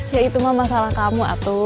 ya itu mah masalah kamu atau